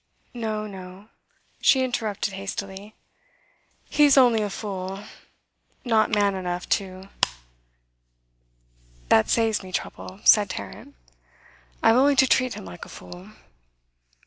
'No, no,' she interrupted hastily. 'He's only a fool not man enough to ' 'That saves me trouble,' said Tarrant; 'I have only to treat him like a fool.